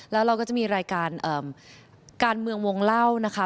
แล้วเราก็จะมีรายการการเมืองวงเล่านะคะ